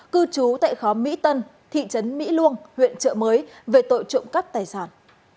cư trú tại khó mỹ tân thị trấn mỹ luông huyện trợ mới về tội trộm cắp tài sản